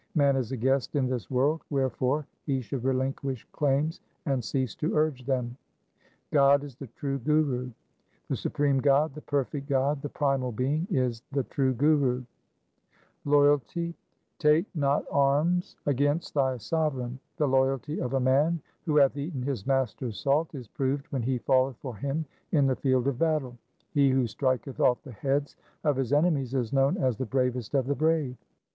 Man is a guest in this world. Wherefore he should relinquish claims and cease to urge them. 3 God is the True Guru :— The supreme God, the perfect God, the primal Being is the True Guru. 3 1 XXXII. 2 XXVIII. 3 XXIX. BHAI GUR DAS'S ANALYSIS 265 Loyalty :— Take not arms against thy sovereign. 1 The loyalty of a man who hath eaten his master's salt is proved when he falleth for him in the field of battle. He who striketh off the heads of his enemies is known as the bravest of the brave.